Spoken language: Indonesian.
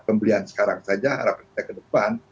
pembelian sekarang saja harapkan kita ke depan